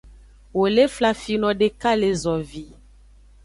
Wo le flafino deka le zovi.